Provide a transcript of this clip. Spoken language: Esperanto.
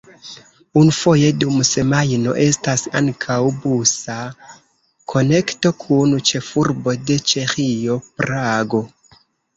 Unufoje dum semajno estas ankaŭ busa konekto kun ĉefurbo de Ĉeĥio, Prago.